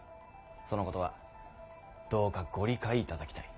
そのことはどうかご理解いただきたい。